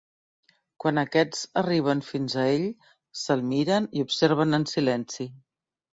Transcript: Quan aquests arriben fins a ell se'l miren i observen en silenci.